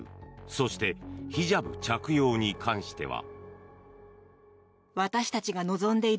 そしてヒジャブ着用に関しては。